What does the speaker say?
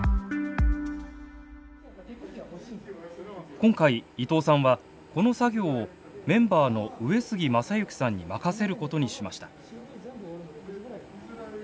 今回伊藤さんはこの作業をメンバーの上椙真之さんに任せることにしました。